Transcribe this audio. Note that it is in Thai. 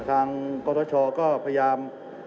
ทางกตชก็พยายาม